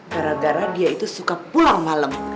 gara gara dia itu suka pulang malam